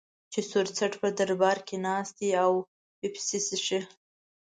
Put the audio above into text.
چې سور څټ په دربار کې ناست دی او پیپسي څښي.